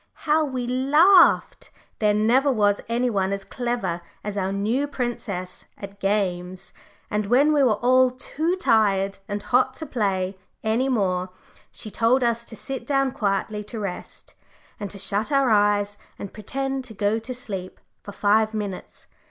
How we laughed! there never was any one as clever as our new princess at games. And when we were all too tired and hot to play any more, she told us to sit down quietly to rest, and to shut our eyes, and pretend to go to sleep for five minutes.